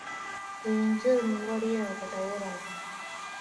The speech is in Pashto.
د انځر مېوه ډیره ګټوره ده